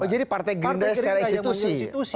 jadi partai gerindra secara institusi